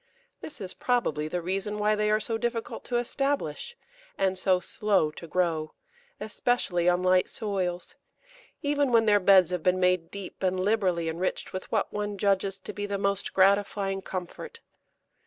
This is probably the reason why they are so difficult to establish, and so slow to grow, especially on light soils, even when their beds have been made deep and liberally enriched with what one judges to be the most gratifying comfort.